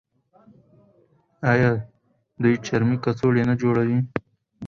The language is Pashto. آیا دوی چرمي کڅوړې نه جوړوي؟